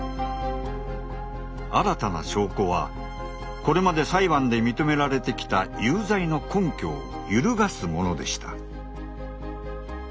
新たな証拠はこれまで裁判で認められてきた「有罪の根拠」を揺るがすものでした。